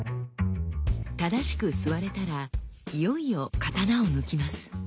正しく座れたらいよいよ刀を抜きます。